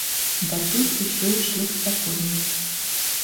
Датуль усё ішло спакойна.